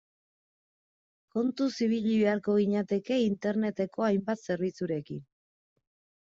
Kontuz ibili beharko ginateke Interneteko hainbat zerbitzurekin.